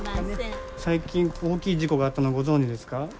最近大きい事故があったのご存じですか？